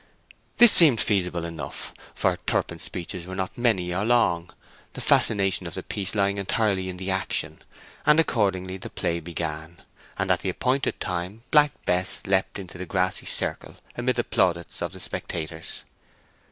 This seemed feasible enough, for Turpin's speeches were not many or long, the fascination of the piece lying entirely in the action; and accordingly the play began, and at the appointed time Black Bess leapt into the grassy circle amid the plaudits of the spectators.